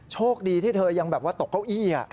โชคดีที่เธอยังแบบว่าตกเก้าอี้